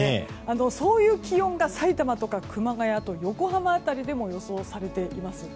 そういう気温がさいたまとか熊谷、横浜辺りでも予想されています。